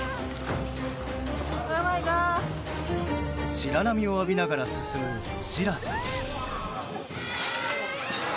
白波を上げながら進む「しらせ」。